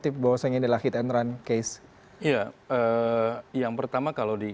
iya yang pertama kalau di